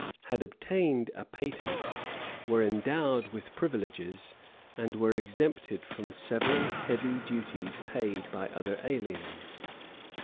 had obtained a patent, were endowed with privileges, and were exempted from several heavy duties paid by other aliens.